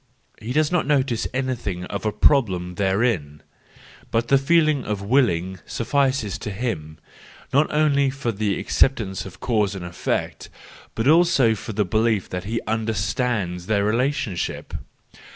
He does not notice any¬ thing of a problem therein, but the feeling of willing suffices to him, not only for the acceptance of cause and effect, but also for the belief that he understands their relationship.